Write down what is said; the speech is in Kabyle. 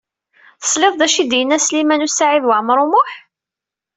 Tesliḍ d acu i d-yenna Sliman U Saɛid Waɛmaṛ U Muḥ?